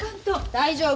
大丈夫。